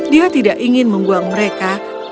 dia tidak ingin membuang mereka